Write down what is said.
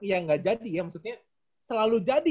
ya nggak jadi ya maksudnya selalu jadi